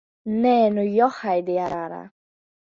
Nē, nu, johaidī ar ārā!